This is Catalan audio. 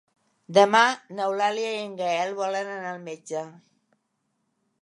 Demà n'Eulàlia i en Gaël volen anar al metge.